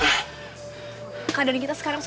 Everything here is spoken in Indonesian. akan meets rupanya